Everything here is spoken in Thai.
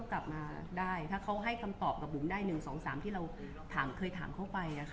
ก็ก็กลับมาได้ถ้าเขาให้คำตอบกับผมได้หนึ่งสองสามที่เราถามเคยถามเขาไปแล้วค่ะ